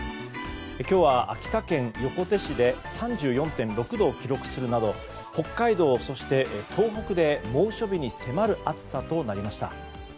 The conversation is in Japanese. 今日は秋田県横手市で３４．６度を記録するなど北海道、そして東北で猛暑日に迫る暑さとなりました。